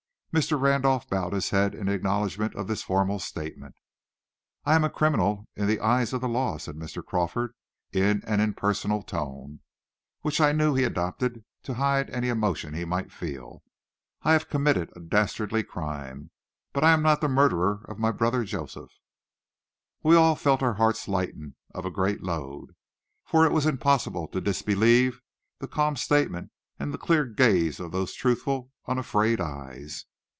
Mr. Randolph bowed his head, in acknowledgment of this formal statement. "I am a criminal in the eyes of the law," said Mr. Crawford, in an impersonal tone, which I knew he adopted to hide any emotion he might feel. "I have committed a dastardly crime. But I am not the murderer of my brother Joseph." We all felt our hearts lightened of a great load, for it was impossible to disbelieve that calm statement and the clear gaze of those truthful, unafraid eyes.